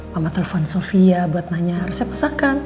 mama telepon sofia buat nanya resep masakan